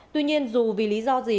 tuy nhiên dù vì lý do gì